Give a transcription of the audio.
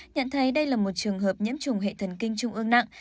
nhận thấy đây là một trường hợp nhiễm trùng hệ thần kinh trung ương nặng